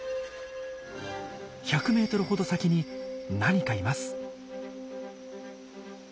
１００ｍほど先に何かいます！